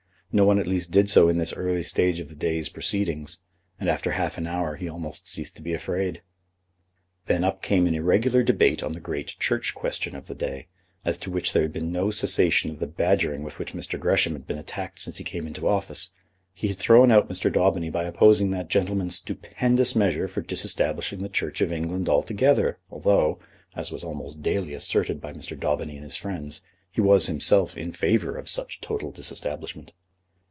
No one at least did so in this early stage of the day's proceedings; and after half an hour he almost ceased to be afraid. Then came up an irregular debate on the great Church question of the day, as to which there had been no cessation of the badgering with which Mr. Gresham had been attacked since he came into office. He had thrown out Mr. Daubeny by opposing that gentleman's stupendous measure for disestablishing the Church of England altogether, although, as was almost daily asserted by Mr. Daubeny and his friends, he was himself in favour of such total disestablishment.